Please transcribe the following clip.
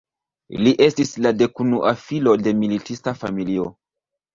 Li estis la dekunua filo de militista familio.